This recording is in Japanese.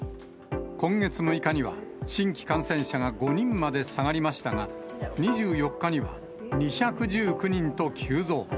今月６日には新規感染者が５人まで下がりましたが、２４日には２１９人と急増。